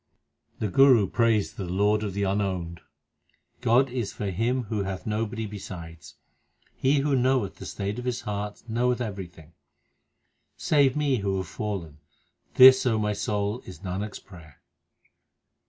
The Guru prays to the Lord of the unowned : God is for him Who hath nobody besides. He who knoweth the state of his heart Knoweth everything. Save me who have fallen This, O my soul, is Nanak s prayer.